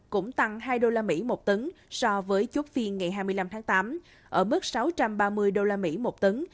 cũng tăng hai usd một tấn so với chốt phiên ngày hai mươi năm tháng tám ở mức sáu trăm ba mươi usd một tấn